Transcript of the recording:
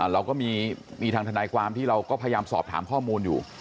เราก็มีทางทนายความที่เราก็พยายามสอบถามข้อมูลอยู่